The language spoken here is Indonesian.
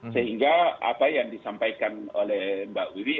sehingga apa yang disampaikan oleh mbak wiwi